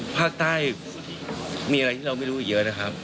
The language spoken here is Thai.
ภาคใต้มีอะไรที่เราไม่รู้อีกเยอะนะครับ